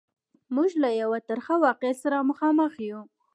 موږ له یوه ترخه واقعیت سره مخامخ یو.